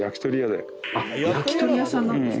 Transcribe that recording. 焼き鳥屋さんなんですか？